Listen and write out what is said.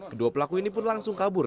kedua pelaku ini pun langsung kabur